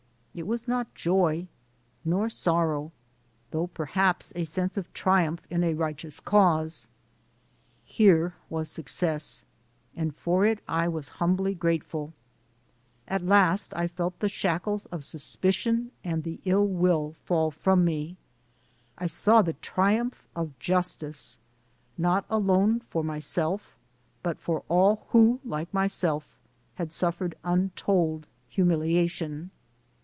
It was not joy, nor sorrow, though perhaps a sense of triumph in a righteous cause. Here was success, and for it I was humbly grateful. At last I felt the shackles of suspicion and ill will fall from me. I saw the triumph of Justice, not alone for myself, but for all who, like myself, had suffered untold humiliation.